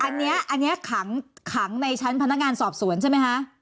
อันนี้อันนี้ขังในชั้นพนักงานสอบสวนใช่ไหมคะ